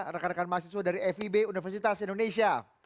rekan rekan mahasiswa dari fib universitas indonesia